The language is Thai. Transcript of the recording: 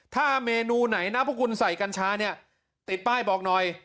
ถ้าเมนูไหนนะพวกคุณใส่กัญชาเนี่ยติดป้ายบอกหน่อย